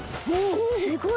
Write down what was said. すごい！